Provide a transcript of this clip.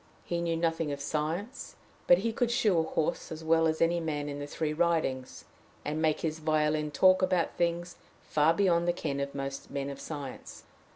He knew nothing of science; but he could shoe a horse as well as any man in the three Ridings, and make his violin talk about things far beyond the ken of most men of science.